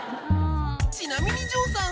ちなみに城さん